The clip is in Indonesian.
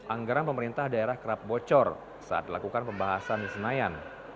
anggaran pemerintah daerah kerap bocor saat lakukan pembahasan di senayan